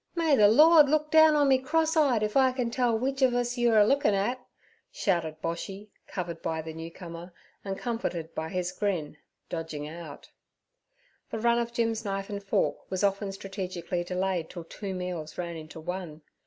'May the Lord look down on me cross eyed if I can tell w'ich ov us ur you a lookin' at!' shouted Boshy, covered by the newcomer, and comforted by his grin, dodging out. The run of Jim's knife and fork was often strategically delayed till two meals ran into one.